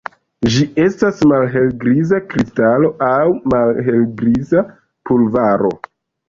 Ĝi estas malhelgriza kristalo aŭ malhelgriza pulvoro.